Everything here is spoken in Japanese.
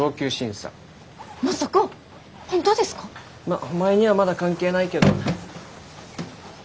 まっお前にはまだ関係ないけどな。